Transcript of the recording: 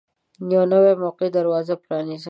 یوه نوې موقع دروازه پرانیزي.